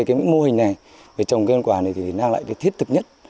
cái mô hình này trồng cây ăn quả này thì nâng lại cái thiết thực nhất